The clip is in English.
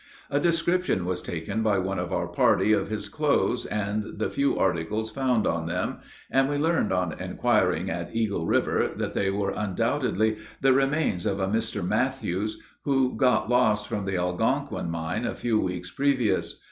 A description was taken by one of our party of his clothes and the few articles found on them, and we learned on inquiring at Eagle river, that they were undoubtedly the remains of a Mr. Mathews, who got lost from the Algonquin mine a few weeks previous.